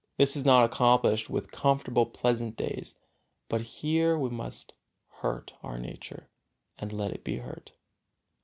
This is not accomplished with comfortable, pleasant days, but here we must hurt our nature and let it be hurt.